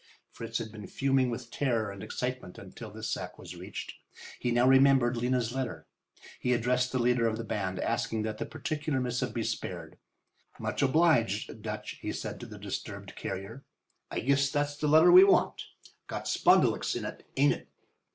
Fritz had been fuming with terror and excitement until this sack was reached. He now remembered Lena's letter. He addressed the leader of the band, asking that that particular missive be spared. "Much obliged, Dutch," he said to the disturbed carrier. "I guess that's the letter we want. Got spondulicks in it, ain't it?